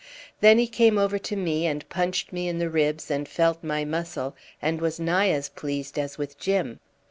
Then he came over to me and punched me in the ribs and felt my muscle, and was nigh as pleased as with Jim.